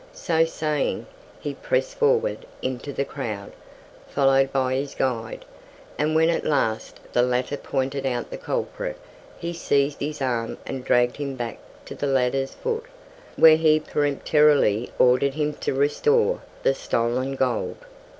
So saying, he pressed forward into the crowd, followed by his guide; and when at last the latter pointed out the culprit, he seized his arm and dragged him back to the ladder's foot, where he peremptorily ordered him to restore the stolen gold.